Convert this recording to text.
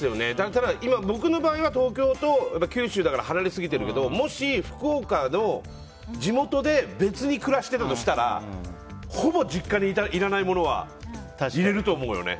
ただ、僕の場合は東京と九州だから離れすぎてるけどもし福岡の地元で別に暮らしてるのだとしたらほぼ実家にいらないものは入れると思うよね。